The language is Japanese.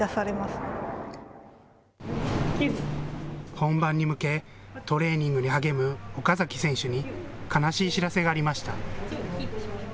本番に向けトレーニングに励む岡崎選手に悲しい知らせがありました。